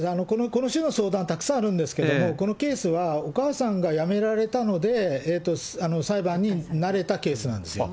この種の相談はたくさんあるんですけど、このケースはお母さんがやめられたので、裁判になれたケースなんですよ。